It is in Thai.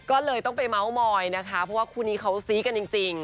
ก็เลยต้องไปเมาส์มอยนะคะเพราะว่าคู่นี้เขาซี้กันจริง